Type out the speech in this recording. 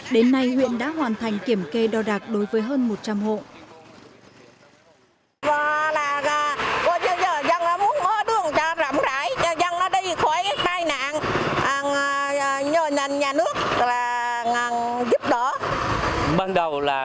đến nay huyện đã hoàn thành kiểm kê đo đạc đối với hơn một trăm linh hộ